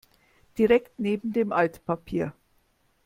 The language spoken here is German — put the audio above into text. Direkt neben dem Altpapier.